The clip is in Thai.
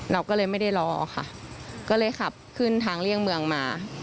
เราก็เลยไม่ได้รอค่ะก็เลยขับขึ้นทางเลี่ยงเมืองมา